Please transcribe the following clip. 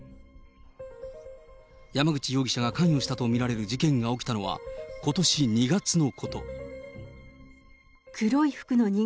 山口容疑者が関与したと見られる事件が起きたのは、ことし２月のこと。